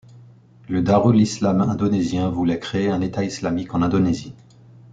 Le Darul Islam indonésien voulait créer un État islamique en Indonésie.